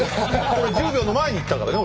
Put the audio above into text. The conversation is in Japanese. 俺１０秒の前に言ったからね